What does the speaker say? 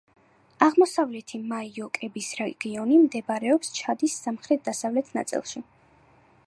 აღმოსავლეთი მაიო-კების რეგიონი მდებარეობს ჩადის სამხრეთ-დასავლეთ ნაწილში.